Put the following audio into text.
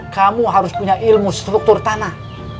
kamu harus punya ilmu struktur tanah